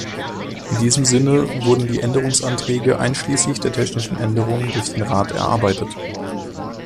In diesem Sinne wurden die Änderungsanträge einschließlich der technischen Änderungen durch den Rat erarbeitet.